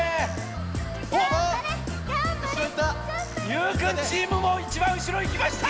ゆうくんチームもいちばんうしろいきました！